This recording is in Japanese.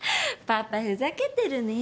パパふざけてるね。